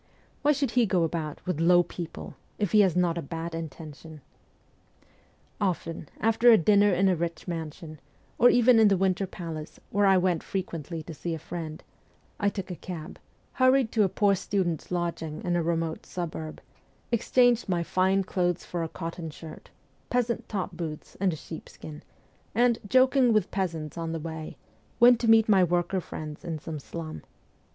' Why should he go about with "low people," if he has not a bad intention ?' Often, after a dinner in a rich mansion, or even in the Winter Palace, where I went frequently to see a friend, I took a cab, hurried to a poor student's lodging in a remote suburb, exchanged my fine clothes for a cotton shirt, peasant's top boots, and a sheepskin, and, joking with peasants on the way, went to meet my worker friends in some slum.